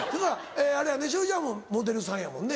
あれやね栞里ちゃんはモデルさんやもんね。